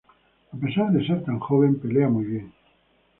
A pesar de ser tan joven pelea muy bien.